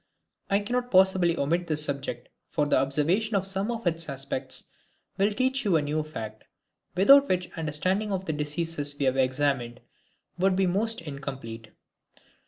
I cannot possibly omit this subject, for the observation of some of its aspects will teach you a new fact, without which the understanding of the diseases we have examined would be most incomplete.